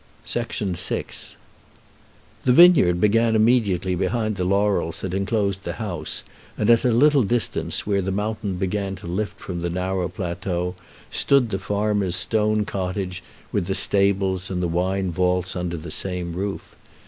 VI The vineyard began immediately behind the laurels that enclosed the house, and at a little distance, where the mountain began to lift from the narrow plateau, stood the farmer's stone cottage, with the stables and the wine vaults under the same roof.